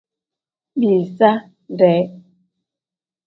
Biiza tee.